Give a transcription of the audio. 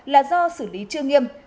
là do xử lý chưa nghiêm